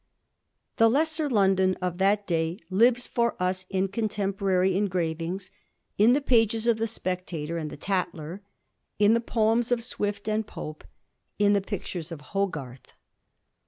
The Lesser London of that day lives for us in contemporary engravings, in the pages of the * Spec tator ' and the * Tatler,' in the poems of Swift and Pope, in the pictures of Hogarth.